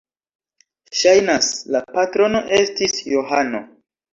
Ŝajnas, la patrono estis Johano.